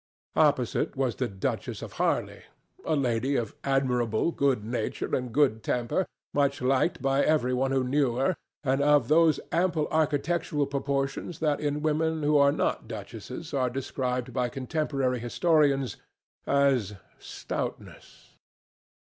Opposite was the Duchess of Harley, a lady of admirable good nature and good temper, much liked by every one who knew her, and of those ample architectural proportions that in women who are not duchesses are described by contemporary historians as stoutness.